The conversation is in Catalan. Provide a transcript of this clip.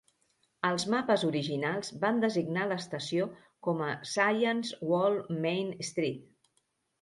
Els mapes originals van designar l'estació com a "Science World-Main Street".